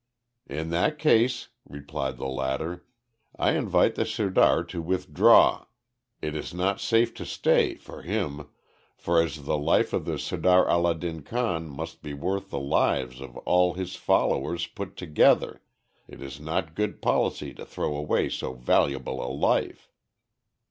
"In that case," replied the latter, "I invite the Sirdar to withdraw. It is not safe to stay for him, for as the life of the Sirdar Allah din Khan must be worth the lives of all his followers put together, it is not good policy to throw away so valuable a life."